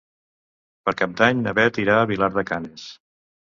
Per Cap d'Any na Beth irà a Vilar de Canes.